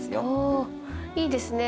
おいいですね。